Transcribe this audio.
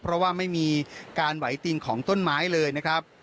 เพราะว่าไม่มีการไหวติงของต้นไม้เลยนะครับ